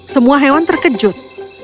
semua hewan terkejut